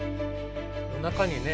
夜中にね